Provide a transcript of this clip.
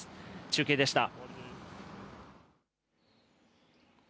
中継でした。